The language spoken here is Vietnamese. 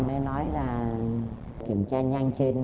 mới nói là kiểm tra nhanh